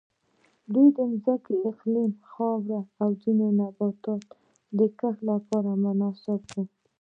د دې ځمکې اقلیم او خاوره د ځینو نباتاتو د کښت لپاره مناسبه وه.